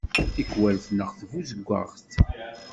Tikkwal tneqq tbuzeggaɣt.